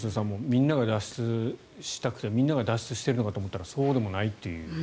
みんなが脱出したくてみんなが脱出しているのかと思ったらそうでもない。